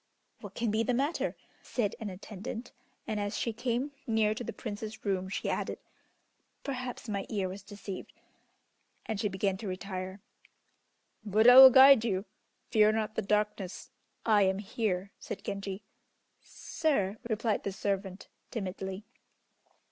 "What can be the matter," said an attendant, and as she came near to the Prince's room she added, "Perhaps my ear was deceived," and she began to retire. "Buddha will guide you; fear not the darkness, I am here," said Genji. "Sir!" replied the servant, timidly.